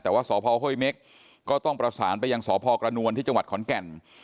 แต่ว่าสพห้วยเม็กก็ต้องประสานไปยังสพกระนวลที่จังหวัดขอนแก่น